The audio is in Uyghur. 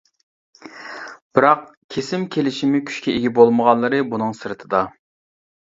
بىراق، كېسىم كېلىشىمى كۈچكە ئىگە بولمىغانلىرى بۇنىڭ سىرتىدا.